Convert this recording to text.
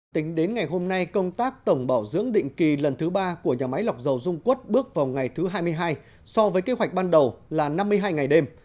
tính đến ngày hôm nay công tác tổng bảo dưỡng định kỳ lần thứ ba của nhà máy lọc dầu dung quốc bước vào ngày thứ hai mươi hai so với kế hoạch ban đầu là năm mươi hai ngày đêm